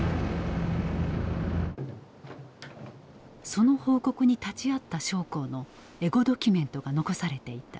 その報告に立ち会った将校のエゴドキュメントが残されていた。